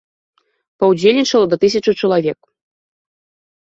Паўдзельнічала да тысячы чалавек.